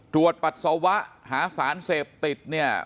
ตรวจปัสสาวะหาสารเสพติด